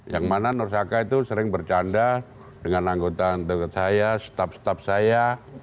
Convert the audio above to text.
yang mana nur saka itu sering bercanda dengan anggota anggota saya staf staff saya